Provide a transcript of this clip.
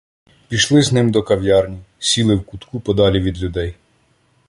Пішли з ним до кав'ярні, сіли в кутку подалі від людей.